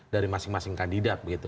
dari masing masing kandidat